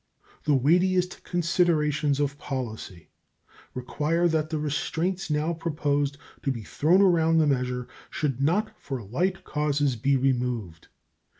The weightiest considerations of policy require that the restraints now proposed to be thrown around the measure should not for light causes be removed.